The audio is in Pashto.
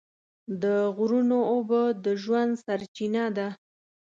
د غرونو اوبه د ژوند سرچینه ده.